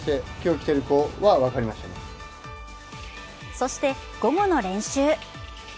そして午後の練習。